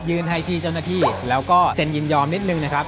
ให้ที่เจ้าหน้าที่แล้วก็เซ็นยินยอมนิดนึงนะครับ